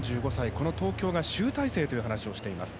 この東京が集大成という話をしています。